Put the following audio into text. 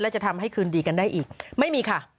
จะทำให้คืนดีกันได้อีกไม่มีค่ะ